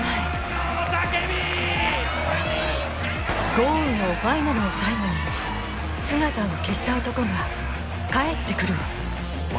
豪雨のファイナルを最後に姿を消した男が帰ってくるま